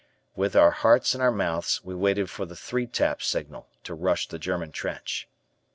With our hearts in our mouths we waited for the three tap signal to rush the German trench.